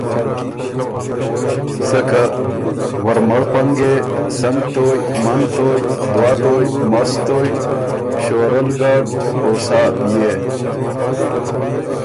سکه ورمړ پنګے، سنګتویٛ، منتویٛ، دوه تویٛ، مستویٛ، شورۀ الګډ او سا بيے